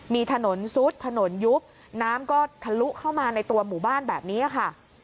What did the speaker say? มีถนนซุดถนนยุบน้ำก็ทะลุเข้ามาในตัวหมู่บ้านแบบนี้ค่ะ